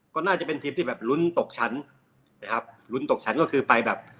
ก็น่าจะเป็นทีมที่แบบลุ้นตกชั้นนะครับลุ้นตกชั้นก็คือไปแบบ